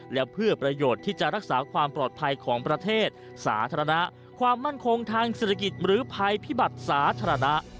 และเพื่อประโยชน์ที่จะรักษาความปลอดภัยของประเทศสาธารณะความมั่นคงทางเศรษฐกิจหรือภัยพิบัติสาธารณะ